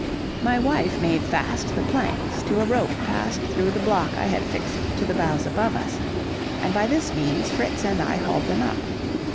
My wife made fast the planks to a rope passed through the block I had fixed to the boughs above us, and by this means Fritz and I hauled them up.